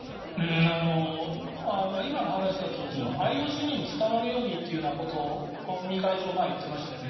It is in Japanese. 今の話だと、ＩＯＣにも伝わるようにということを尾身会長は言っていましたよね。